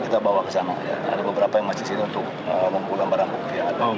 kita bawa ke sana ada beberapa yang masih sini untuk mengumpulkan barang bukti